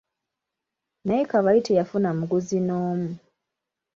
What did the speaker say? Naye Kabali teyafuna muguzi n'omu.